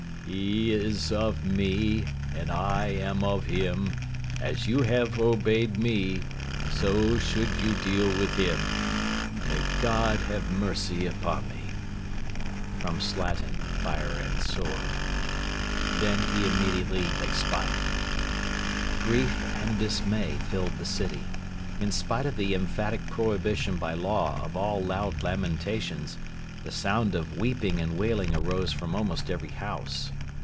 'He is of me, and I am of him; as you have obeyed me, so you should deal with him. May God have mercy upon me!' [Slatin, FIRE AND SWORD.] Then he immediately expired. Grief and dismay filled the city. In spite of the emphatic prohibition by law of all loud lamentations, the sound of 'weeping and wailing arose from almost every house.'